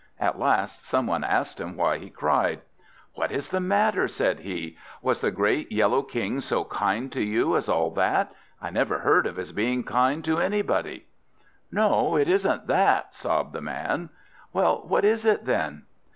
At last some one asked him why he cried. "What is the matter?" said he. "Was the Great Yellow King so kind to you as all that? I never heard of his being kind to anybody!" "No, it isn't that!" sobbed the man. "Well, what is it then?"